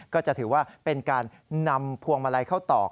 ก็จะถือว่าเป็นการนำพวงมาลัยเข้าตอก